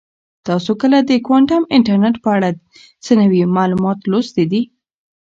تاسو کله د کوانټم انټرنیټ په اړه څه نوي معلومات لوستي دي؟